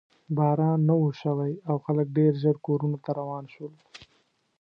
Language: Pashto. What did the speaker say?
باران نه و شوی او خلک ډېر ژر کورونو ته روان شول.